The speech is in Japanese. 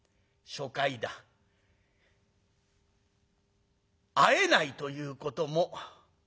初回だ会えないということもある。